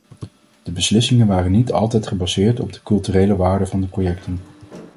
De beslissingen waren niet altijd gebaseerd op de culturele waarde van de projecten.